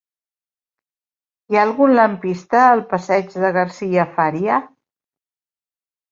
Hi ha algun lampista al passeig de Garcia Fària?